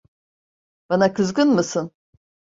Bana kızgın mısın?